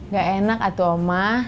gak enak atuh omah